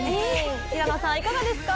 平野さん、いかがですか？